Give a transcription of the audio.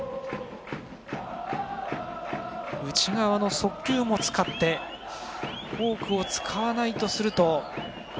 内側の速球も使ってフォークを使わないとすると。